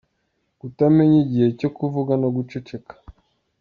Kutamenya igihe cyo kuvuga no guceceka.